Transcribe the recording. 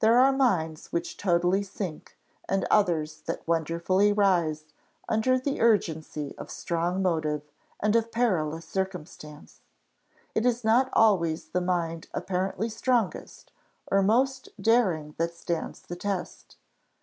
There are minds which totally sink, and others that wonderfully rise, under the urgency of strong motive and of perilous circumstance. It is not always the mind apparently strongest or most daring that stands the test.